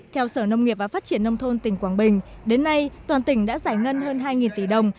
theo sở nông nghiệp và phát triển nông thôn tỉnh quảng bình đến nay toàn tỉnh đã giải ngân hơn hai tỷ đồng